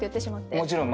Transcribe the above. もちろん。